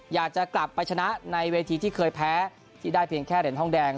อยากจะกลับไปชนะในเวทีที่เคยแพ้ที่ได้เพียงแค่เหรียญทองแดง